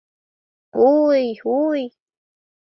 — Уй-уй!..